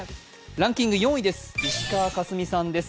ランキング４位です、石川佳純さんです。